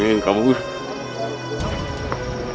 but itu tidak kita punya tapi mereka memiliki kecepatan